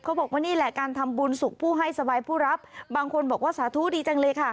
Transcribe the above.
เขาบอกว่านี่แหละการทำบุญสุขผู้ให้สบายผู้รับบางคนบอกว่าสาธุดีจังเลยค่ะ